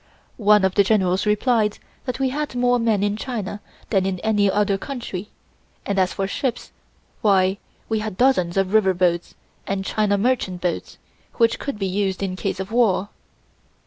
One of the generals replied that we had more men in China than in any other country, and as for ships, why we had dozens of river boats and China merchant boats, which could be used in case of war.